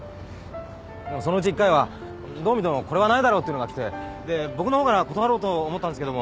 でもそのうち１回はどう見てもこれはないだろってのが来て僕のほうから断ろうと思ったんですけども。